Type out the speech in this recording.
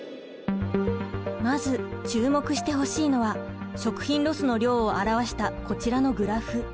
まず注目してほしいのは食品ロスの量を表したこちらのグラフ。